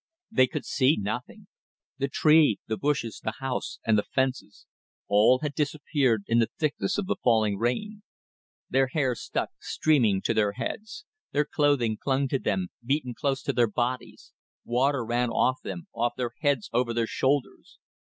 They could see nothing. The tree, the bushes, the house, and the fences all had disappeared in the thickness of the falling rain. Their hair stuck, streaming, to their heads; their clothing clung to them, beaten close to their bodies; water ran off them, off their heads over their shoulders.